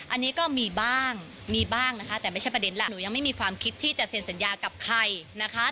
อันนี้ก็มีบ้างมีบ้างนะคะแต่ไม่ใช่ประเด็นแหละหนูยังไม่มีความคิดที่จะเซ็นสัญญากับใครนะคะ